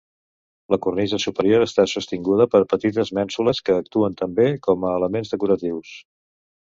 La cornisa superior està sostinguda per petites mènsules que actuen també com a elements decoratius.